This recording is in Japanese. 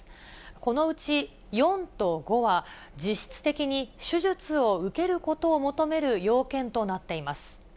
このうち４と５は、実質的に手術を受けることを求める要件となっています。